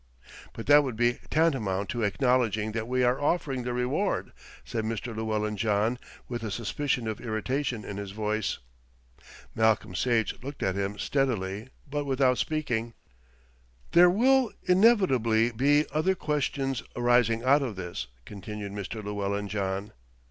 "But that would be tantamount to acknowledging that we are offering the reward," said Mr. Llewellyn John with a suspicion of irritation in his voice. Malcolm Sage looked at him steadily, but without speaking. "There will inevitably be other questions arising out of this," continued Mr. Llewellyn John.